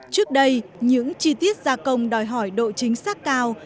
trước đây những chi tiết gia công đòi hỏi độ chính xác cao